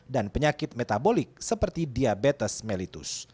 dan penyakit metabolik seperti diabetes mellitus